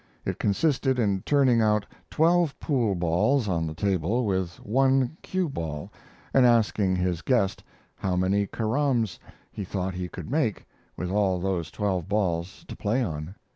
It consisted in turning out twelve pool balls on the table with one cue ball, and asking his guest how many caroms he thought he could make with all those twelve balls to play on.